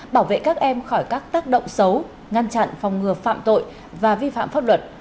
bảo vệ các em khỏi các tác động xấu ngăn chặn phòng ngừa phạm tội và vi phạm pháp luật